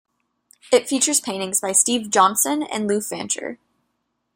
It features paintings by Steve Johnson and Lou Fancher.